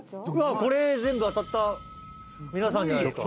これ全部当たった皆さんじゃないですか？」